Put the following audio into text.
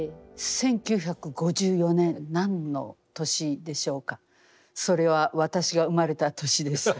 １９５４年何の年でしょうかそれは私が生まれた年です。